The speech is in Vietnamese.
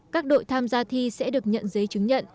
các đội tham gia thi sẽ được nhận giấy chứng nhận